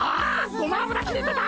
ごま油切れてた！